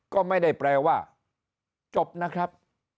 ก็ไม่ได้แปลว่าจบนะครับ